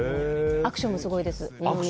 アクションもすごいです。